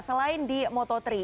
selain di moto tiga ini ya